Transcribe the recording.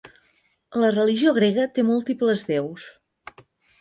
La religió grega té múltiples déus.